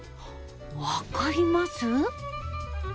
分かります？